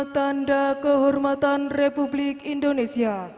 tanda kehormatan republik indonesia